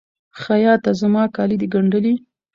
خیاطه! زما کالي د ګنډلي؟